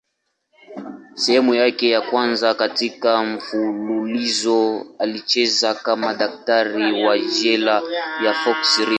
Sehemu yake ya kwanza katika mfululizo alicheza kama daktari wa jela ya Fox River.